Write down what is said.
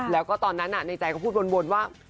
แล้วก็ตอนนั้นน่ะในใจเขาพูดบนว่า